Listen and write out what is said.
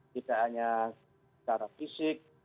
tidak hanya secara fisik